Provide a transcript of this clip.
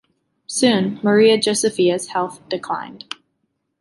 Soon, Maria Josepha's health declined.